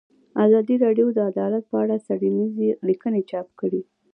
ازادي راډیو د عدالت په اړه څېړنیزې لیکنې چاپ کړي.